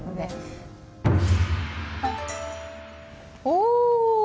おお。